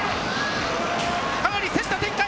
かなり競った展開。